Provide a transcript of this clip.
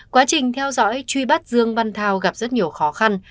quá trình theo dõi truy bắt dương văn thao gặp rất nhiều khó khăn